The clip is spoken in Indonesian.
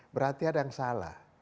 berarti ada yang salah